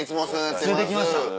連れてきました。